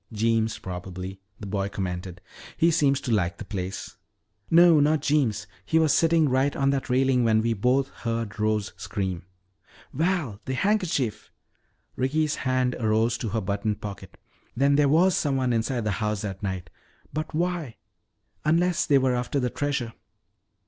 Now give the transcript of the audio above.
"Jeems, probably," the boy commented. "He seems to like the place." "No, not Jeems. He was sitting right on that railing when we both heard Rose scream." "Val, the handkerchief!" Ricky's hand arose to her buttoned pocket. "Then there was someone inside the house that night. But why unless they were after the treasure!"